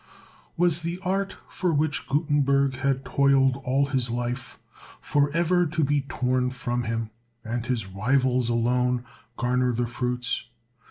Was the art for which Gutenberg had toiled all his life, forever to be torn from him, and his rivals alone garner the fruits?